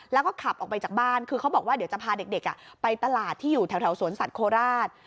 แล้วก็ขับออกไปจากบ้านคือเขาบอกว่าเดี๋ยวจะพาเด็กไปตลาดที่อยู่แถวสวนสัตว์โคราช